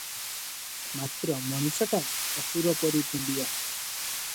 ମାତ୍ର ମଣିଷଟା ଅସୁର ପରି ଭେଣ୍ତିଆ ।